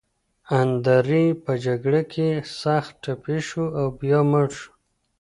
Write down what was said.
اندرې په جګړه کې سخت ټپي شو او بیا مړ شو.